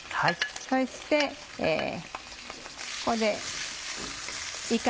そしてここでいか。